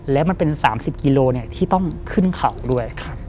แล้วมันเป็น๓๐กิโลกรัมเนี่ยที่ต้องขึ้นเข่าด้วย